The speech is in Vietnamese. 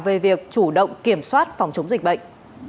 về việc chủ động kiểm soát phòng chống dịch bệnh